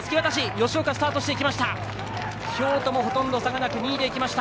吉岡、スタートしました。